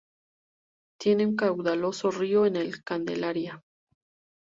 Tiene un caudaloso río, el Candelaria.